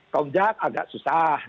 komjak agak susah